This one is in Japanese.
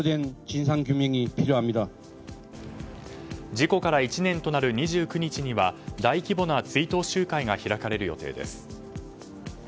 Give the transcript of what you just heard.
事故から１年となる２９日には大規模な追悼集会が開かれる予定です。